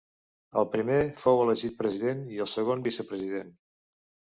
El primer fou elegit president i el segon vicepresident.